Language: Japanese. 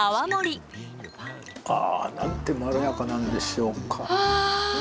あなんてまろやかなんでしょうか。